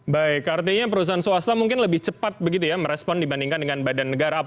baik artinya perusahaan swasta mungkin lebih cepat begitu ya merespon dibandingkan dengan badan negara